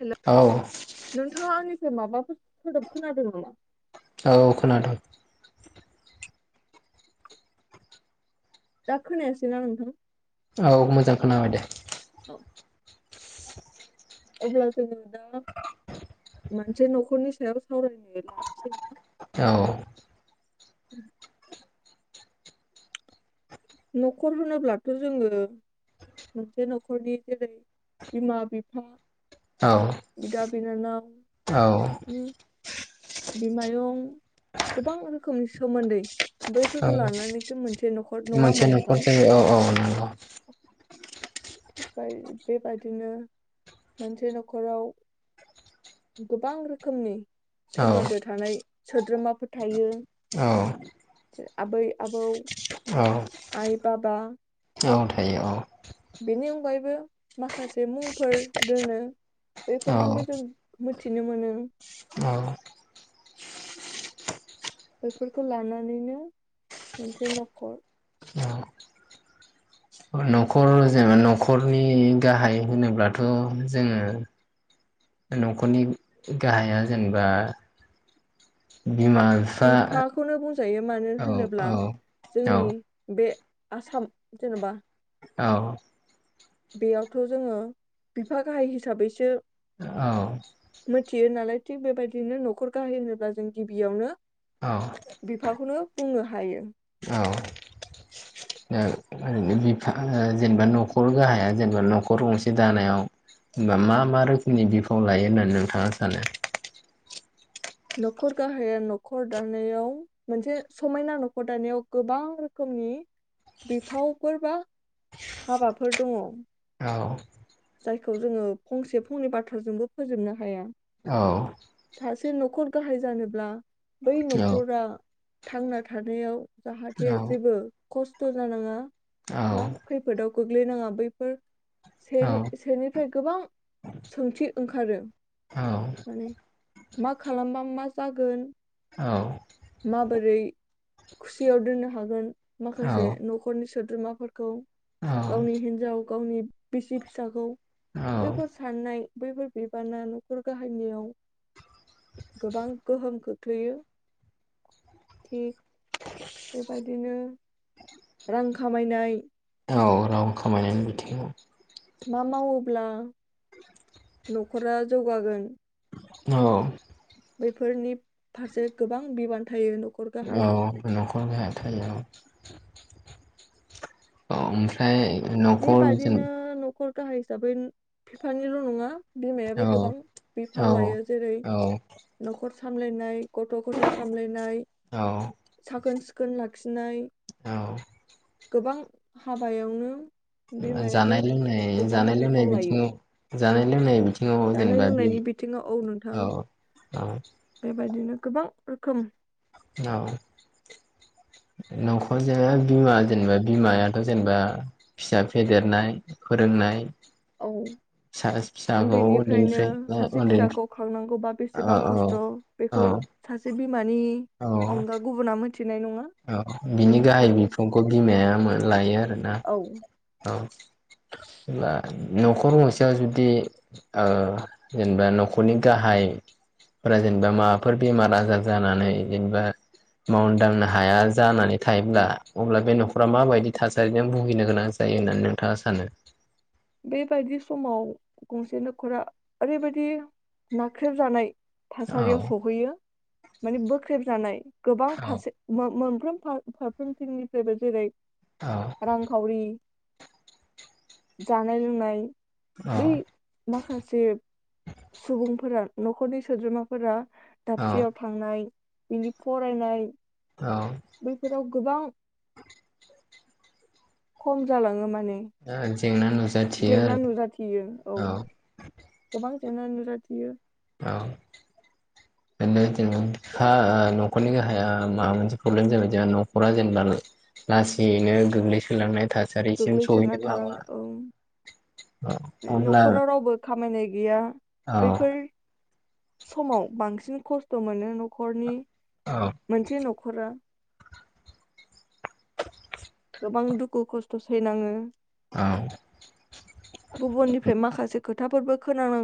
Hello औ नोंथांया आंनि माबाफोर सोदोब खोनादों नामा? औ खोनादों। दा खोनायासै ना नोंथां? औ मोजां खोनाबाय दे। औ अब्ला जोङो दा मोनसे नखरनि सायाव सावरायनो लानोसै नामा? औ। [unintelligible] नखर होनोब्लाथ जोङो मोनसे नखरनि जेरै बिमा बिफा औ। बिनानाव। औ। बिमायं गोबां रोखोमनि सोमोन्दै औ बैफोरखौ लानानैसो मोनसे नखर नङा मोनसे होमबा नखर नोंथां जायो औ औ नंगौ। बायो बे बेबायदिनो मोनसे नखराव गोबां रोखोमनि औ सोमोन्दो थानाय। सोद्रोमाफोर थायो। औ आबै-आबौ औ आइ बाब बा औ थायो औ बेनि अनगायैबो माखासे मुंफोर दोंङो औ बेफोरजोंबो जों मिनथिनो मोनो। औ बेफोरखौ लानानैनो मोनसे न'खर। न'खर जेनेबा न'खरनि गाहाय होनोब्लाथ जोङो न'खरनि गाहाया जेनेबा बिमा बिफा जायो मानो औ होनोब्ला औ औ जोंनि बे आसाम जेनेबा औ बेयावथ जोङो बिफा गाहाय हिसाबैसो मिथियो नालाय थिग बेबायदिनो न'खर गाहाय होनोब्ला जों गिबियावनो औ बिफाखौनो बुंनो हायो। औ ओरैनो बिफा जेनेबा न'खर गाहाया जेनेबा न'खर नखर गंसे दानायाव मा मा रोखोमनि बिफाव लायो होननानै नोंथाङा सानो? न'खर गाहाया न'खर दानायाव मोनसे समायना न'खर दानायाव गोबां रोखोमनि बिफावफोर बा हाबाफोर दङ। औ जायखौ जोङो फंसे फंनै बाथ्राजोंबो फोजोबनो हाया। औ से न'खर गाहाय जानोब्ला बै औ न'खरा। थांना थानायाव जाहाथे जेबो खस थ जानाङा औ ना खैफोदाव गोग्लैनाङा बैफोर औ सेनि सेनिफ्राय गोबां सोंथि ओंखारो औ माने मा खालामबा मा जागोन औ माबोरै खुसियाव दोननो हागोन माखासे न'खरनि सोद्रोमाफोरखौ औ गावनि हिनजाव गावनि बिसि फिसाखौ औ बैफोर साननाय बैफोर बिबाना न'खर गाहायनियाव गोबां गोहोम खोख्लैयो थिग बेबायदिनो रां खामायनाय औ रां खामायनायनि बिथिङाव मा मावोब्ला न'खरा जौगागोन। औ बैफोरनि फारसे गोबां बिबान थायो न'खर औ गाहाया। न'खर गाहाया थायो औ औ ओमफ्राय न'खर बेबादिनो औ न'खर गाहाय हिसाबै फिफानिल नङा बिमायाबो गोबां औ बिफाव लायो जेरै औ न'खर सामलायनाय गथ' गथाइ सामलायनाय औ साखोन सिखोन लाखिनाय औ गोबां हाबायावनो। बिमायाबो जानाय लोंनाय गोबां जानाय लोंनाय बिफाव लायो बिदिनो। जानाय लोंनाय बिथिङाव जानाय जेनेबा बि लोंनायनि बिथिङाव औ नोंथां औ बेबायदिनो गोबां रोखोम। औ न'खरजों बिमा जेनेबा बिमायाथ जेनेबा फिसा फेदेरनाय फोरोंनाय औ फिसा फिसाखौ उन्दैनिफ्रायनो उन्दैनिफ्राय सासे उन्दै फिसाखौ खांनांगौबा बेसेबां औ औ खस्थ औ बेखौ सासे मानि औ अनगा गुबुना मोनथिनाय नङा औ बिनि गाहाय बेफोर बिफंखौ बिमाया लायो आरो ना औ औ बा न'खर गंसेयाव जुदि ओ जेनेबा न'खरनि गाहायफोरा जेनेबा माबाफोर बेमार आजार जानानै जेनेबा मावनो दांनो हाया जानानै थायोब्ला अब्ला बे न'खरा माबायदि थासारिजों भुगिनो गोनां जायो होननानै नोंथाङा सानो? बेबायदि समाव गंसे न'खरा ओरैबायदि नाख्रेबजानाय थासारियाव औ सहैयो। माने बोख्रेबजानाय गोबां औ फारसे [unintelligible] फारफ्रोम फारफ्रोमथिंनिफ्रायबो जेरै रां खावरि जानाय लोंनाय औ बै माखासे सुबुंफोरा नखरनि सोद्रोमाफोरा दाबसेयाव औ थांनाय बिनि फरायनाय अ बैफोराव गोबां खम जालाङो माने [unintelligible] जेंना नुजाथियो जेंना नुजाथियो औ गोबां जेंना नुजाथियो अ नो जों हा न'खरनि हाया माबा मोनसे प्रब्लेम जाबाय जोंहा न'खरा जेनेबा लासैयैनो गोग्लैसोलांनाय थासारिसिम गोग्लैसोना सहैनोबो हागौ थालाङो औ बे अब्ला न'खराव रावबो खामायनाय गैया औ बैफोर समाव बांसिन खस्थ मोनो न'खरनि औ मोनसे न'खरा गोबां दुखु खस्थ सैनाङो औ गुबुननिफ्राय माखासे खोथाफोरबो खोनानां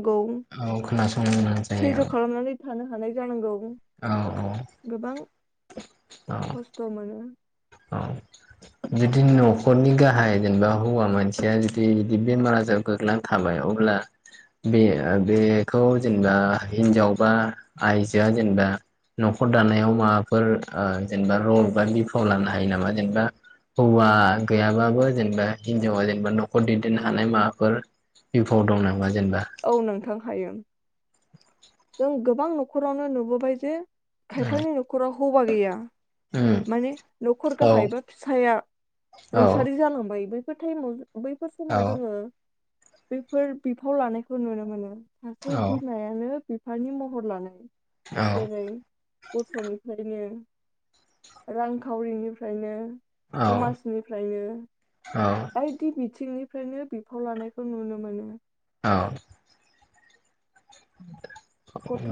औ खोनासंनो गोनां जायो खालामनानै थानो हानाय जानांगौ ओं औ गोबां औ खस्थ' मोनो औ जुदि न'खरनि गाहाया जेनोबा हौवा मानसिया जुदि बिदि बेमार आजाराव गोग्लैनानै थाबाय अब्ला बे बेखौ जेनबा हिनजाव बा आयजोआ जेनबा नखर दानायाव माबाफोर आ जेनबा रल बा बिफाव लानो हायोनामा जेनोबा हौवा गैयाब्लाबो जेनोबा हिनजावा जेनोबा न'खर दैदेनो हानाय माबाफोर बिफाव दं नामा? जेनेबा औ नोंथां हायो जों गोबां न'खरावनो नुबोबाय जे खायफानि न'खराव हौबा गैया उम माने न'खर औ गाहायबा फिसाया औ रुंसारि जालांबायबो [unintelligible] थाइम आव बैफोर औ समाव जोङो बैफोर बिफाव लानाय नुनो मोनो। सासे बिमायानो बिफानि महर लानानै औ जेरै गथ'निफ्रायनो रांखावरिनिफ्रायनो औ समाजनिफ्रायनो औ बायदि बिथिंनि फ्रायनो बिफाव लानायखौ नुनो मोनो। औ [unintelligible]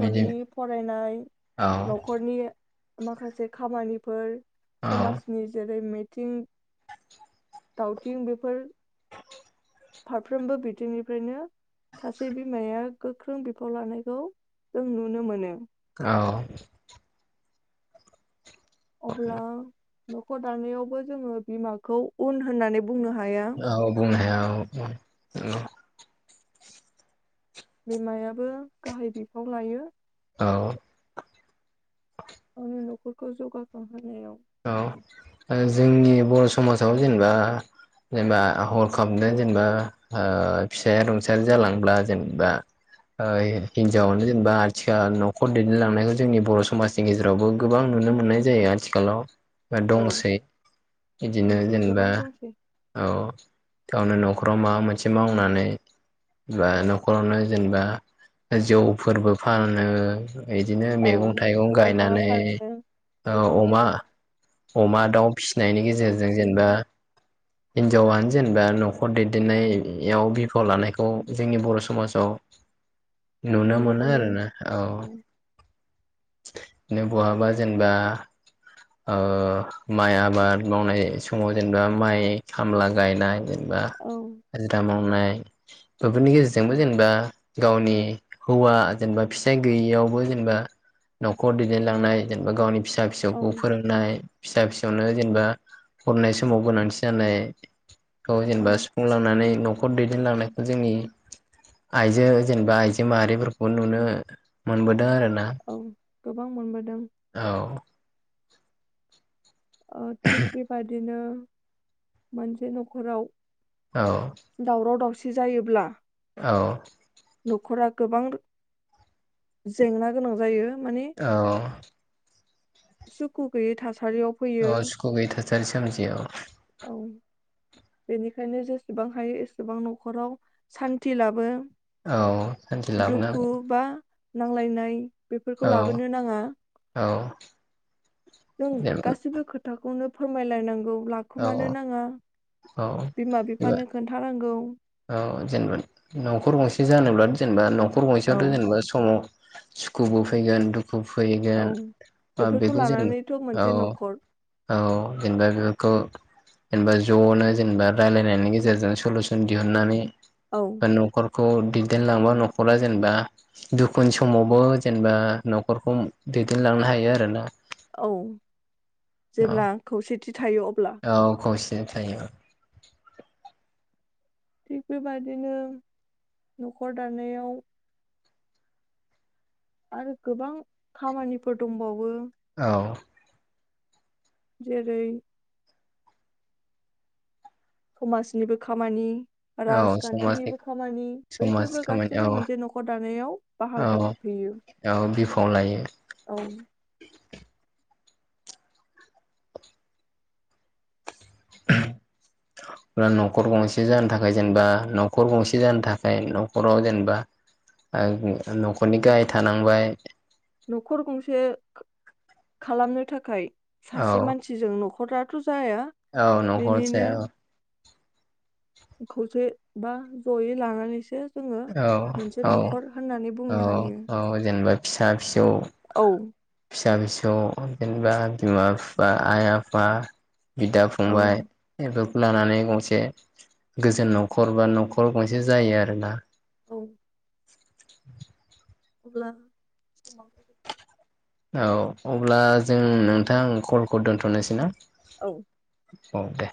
बिदि फरायनाय औ न'खरनि माखासे खामानिफोर औ समाजनि जेरै मे थिं दावथिं बेफोर फारफ्रोमबो बिथिंनिफ्रायनो सासे बिमाया गोख्रों बिफाव लानायखौ जों नुनो मोनो। औ अब्ला न'खर दानायावबो जोङो बिमाखौ उन होननानै बुंनो हाया औ बुंनो हाया औ औ बिमायाबो गाहाय बिफाव लायो औ गावनि न'खरखौ जौगाखांहो औ ओ जोंनि बर' समाजाव जेनेबा जेनेबा हरखाबनो जेनेबा ओ फिसाया रुंसारि जालांब्ला जेनेबा ओ हिनजावआनो जेनेबा आथिखाल न'खर दैदेनलांनायखौ जोंनि बर' समाजनि गेजेरावबो गोबां नुनो मोननाय जायो आथिखालाव। बा औ दंसै बिदिनो दंसै जेनेबा गोबां दंसै औ गावनो न'खराव माबा मोनसे मावनानै बा न'खरावनो जेनेबा जौफोरबो फानो बिदिनो औ मैगं थाइगं अमा गायनानै फानो औ मैगं अमा थाइगं अमा औ दाउ फिसिनायनि दाउ गेजेरजों जेनेबा फिसिनानै हिनजाव वानो जेनेबा न'खर दैदेननायाव बिफाव लानायखौ जोंनि बर' समाजाव नुनो मोनो आरोना औ नो बहाबा जेनेबा ओ माइ आबाद मावनाय समाव जेनेबा माइ खामला गायनाय बा औ हाजिरा माव नाय बेफोरनि गेजेरजोंबो जेनेबा गावनि हौवा जेनेबा फिसाय गैयियावबो जेनेबा नखर दैदेनलांनाय जेनेबा गावनि फिसा औ फिसौखौ नाय फिसा फिसौनो जेनेबा फरायनाय समाव गोनांथि जानाय खौ औ जेनेबा सुफुंलांनानै न नखर दैदेनलांनायखौ जोंनि आइजो जेनेबा आइजो माहारिफोरखौ नुनो मोनबोदों आरो। औ गोबां मोनबो औ अ थिग बेबादिनो मोनसे नखराव औ दावराव दावसि जायोब्ला औ नखरा गोबां जेंना गोनां जायो। माने औ सुखु गैयै थास ओ सुखु गैयै थासारि सोमजियो। औ औ बेनिखायनो जेसेबां हायो एसेबां नखराव सान्थि लाबो औ सान्थि लाबोनो दुखु हागोन बा नांलायनाय बेफोरखौ लाबोनो नांङा जों औ गासिबो खोथाखौनो फोरमायलायनांगौ औ लाखुमानो औ नांङा औ बिमा एबा बिफानो खोनथानां गौ औ जेनेबा नखर गंसे जानोब्ला जेनेबा न खर औ गंसेआथ जेनेबा समाव सुखुबो फैगोन दु खु औ फैगोन ओ बेफोरखौ बेखौ लानानैथ' जेनबा औ मोनसे न'खर औ जेनेबा बेफोरखौ जेनेबा जनो जेनेबा रायलायनायनि गेजेरजों सलुसन दिहुननानै औ नखर खौ दैदेनलांबा नखरा जेनेबा दुखुनि समावबो जेनेबा नखरखौ दैदेनलांनो हायो आरोना औ औ जेब्ला खौसे थायो अब्ला से थायो थिग बेबायदिनो नखर दानायाव आरो गोबां खामानिफोर दंबावो औ जेरै समाजनिबो खामानि औ समाजनि राजखान्थिनिबो खामानि समाज बैफोरबो खामानि औ गासैबो मोनसे नखर दानायाव बाहागो औ लाफैयो औ बिफाव लायो औ [unintelligible] नखर गंसे जानो थाखाय जेनेबा नखर गंसे जानो थाखाय नखराव जेनेबा ओ नखरनि गाहाय थानांबाय नखर गंसे खा खालामनो थाखाय औ सासे मानसिजों नख [unintelligible] औ नखर जाया औ खौसे बा जयै लानानैसो जोङो औ मोनसे औ न'खर होननानै औ बुंनो हायो औ जेनेबा फिसा फिसौ औ फिसा फिसौ ज जेनेबा बिमा बिफा आइ आफा बिदा फंबाय एबा लानानै गंसे गोजोन नखर बा नखर गंसे जायो आरोना औ [inaudible] अब्ला समाबो जोबबाय औ अब्ला जों नोंथां कलखौ दोनथनोसै ना औ औ दे